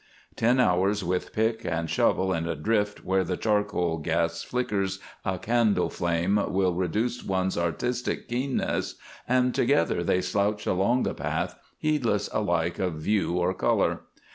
Ten hours with pick and shovel in a drift where the charcoal gas flickers a candle flame will reduce one's artistic keenness, and together they slouched along the path, heedless alike of view or color.